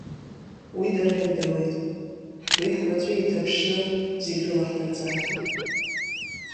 Уи дара ирдыруеит, ҳгәи ҳгәаҵәеи иҭаԥшны зегь рыла ҳҭырҵаахьеит.